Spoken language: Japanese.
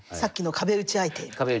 壁打ち相手。